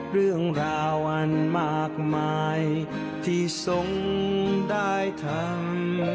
เรื่องราวอันมากมายที่ทรงได้ทำ